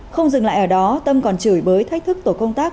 không dừng lại ở đó tâm còn chửi bới thách thức tổ công tác